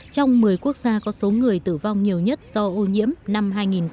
trong một mươi quốc gia có số người tử vong nhiều nhất do ô nhiễm năm hai nghìn một mươi bảy